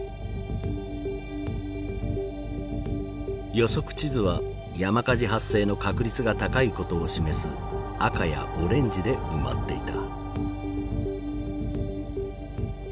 予測地図は山火事発生の確率が高いことを示す赤やオレンジで埋まっていた。